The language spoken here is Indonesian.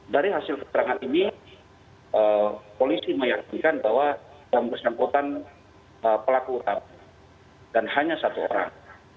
dari hasil keterangan ini polisi meyakinkan bahwa yang bersangkutan pelaku utama dan hanya satu orang